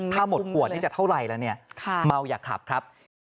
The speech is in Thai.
ถ้าหมดขวดนี่จะเท่าไรแล้วเนี่ยเมาอย่าขับครับ